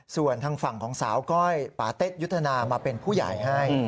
ส่วนทางฝั่งของสาวก้อยปาเต็ดยุทธนามาเป็นผู้ใหญ่ให้